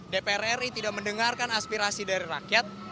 dpr ri tidak mendengarkan aspirasi dari rakyat